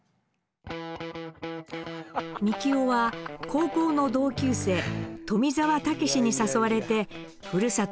みきおは高校の同級生富澤たけしに誘われてふるさと